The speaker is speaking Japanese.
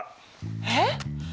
えっ！